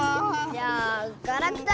じゃあガラクタ